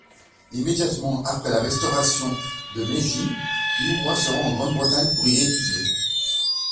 Immédiatement après la restauration de Meiji, Niwa se rend en Grande-Bretagne pour y étudier.